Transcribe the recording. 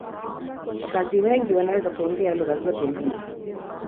Wakazi wengi wanaweza kuongea lugha zote mbili.